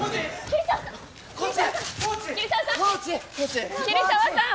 桐沢さん！？